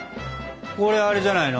これあれじゃないの？